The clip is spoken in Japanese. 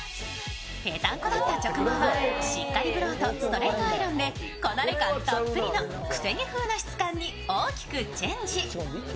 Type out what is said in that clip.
ペタンコだった直毛がしっかりブローとストレートアイロンでこなれ感たっぷりの癖毛風な質感に大きくチェンジ。